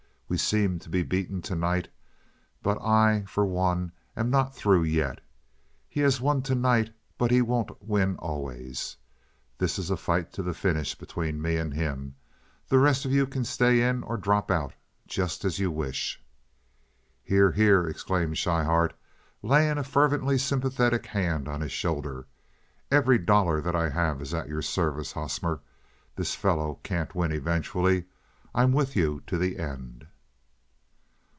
"We seem to be beaten to night, but I, for one, am not through yet. He has won to night, but he won't win always. This is a fight to a finish between me and him. The rest of you can stay in or drop out, just as you wish." "Hear, hear!" exclaimed Schryhart, laying a fervently sympathetic hand on his shoulder. "Every dollar that I have is at your service, Hosmer. This fellow can't win eventually. I'm with you to the end."